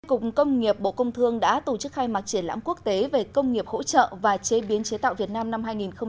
cục công nghiệp bộ công thương đã tổ chức khai mạc triển lãm quốc tế về công nghiệp hỗ trợ và chế biến chế tạo việt nam năm hai nghìn hai mươi